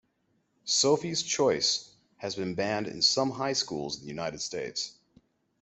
"Sophie's Choice" has been banned in some high schools in the United States.